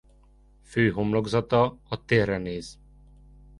Fő homlokzata a térre néz.